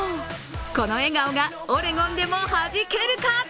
この笑顔がオレゴンでもはじけるか。